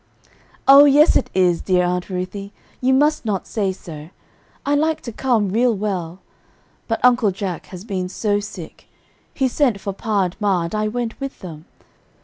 "Oh, yes it is, dear Aunt Ruthie. You must not say so. I like to come real well. But Uncle Jake has been so sick; he sent for pa and ma, and I went with them.